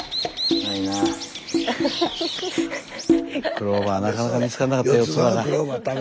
クローバーなかなか見つかんなかった四つ葉が。